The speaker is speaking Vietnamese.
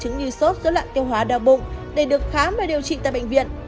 như sốt giữa lạng tiêu hóa đau bụng để được khám và điều trị tại bệnh viện